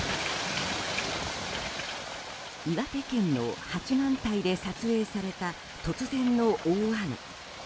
岩手県の八幡平で撮影された突然の大雨。